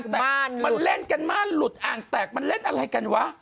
เดี๋ยวเลยให้เล่นกันมาหลุดอ่างแตกมันเล่นอะไรกันวะ